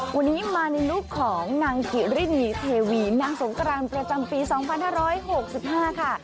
วันนี้มาในลูกของนางกิรินีเทวีนางสงกรานประจำปี๒๕๖๕ค่ะ